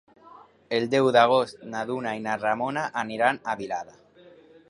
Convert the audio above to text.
El deu d'agost na Duna i na Ramona aniran a Vilada.